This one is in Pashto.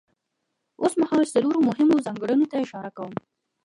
اوسمهال څلورو مهمو ځانګړنو ته اشاره کوم.